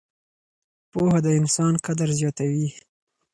پوهه د انسان قدر زیاتوي.